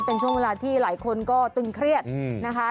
เป็นช่วงเวลาที่หลายคนก็ตึงเครียดนะคะ